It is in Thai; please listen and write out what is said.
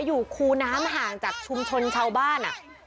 คูน้ำห่างจากชุมชนชาวบ้าน